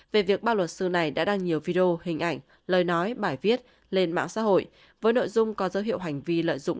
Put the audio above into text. về việc ba luật sư này đã đăng nhiều video hình ảnh lời nói bài viết lên mạng xã hội với nội dung có dấu hiệu hành vi lợi dụng